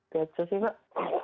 kece sih enggak